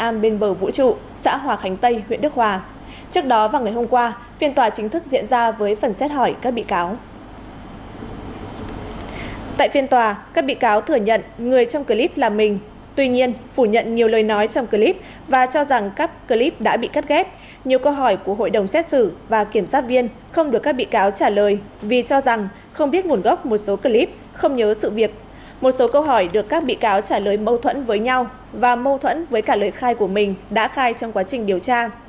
một số câu hỏi được các bị cáo trả lời mâu thuẫn với nhau và mâu thuẫn với cả lời khai của mình đã khai trong quá trình điều tra